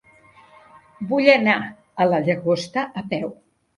Vull anar a la Llagosta a peu.